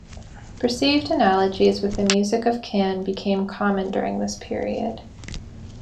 Perceived analogies with the music of Can became common during this period.